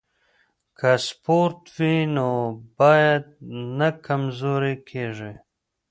که سپورت وي نو بدن نه کمزوری کیږي.